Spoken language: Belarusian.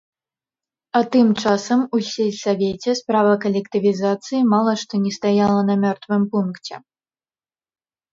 А тым часам у сельсавеце справа калектывізацыі мала што не стаяла на мёртвым пункце.